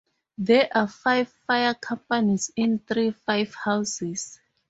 There are five fire companies in three fire houses.